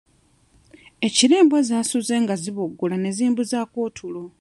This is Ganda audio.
Ekiro embwa zaasuze nga ziboggola ne zimbuzaako otulo.